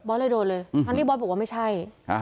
เลยโดนเลยทั้งที่บอสบอกว่าไม่ใช่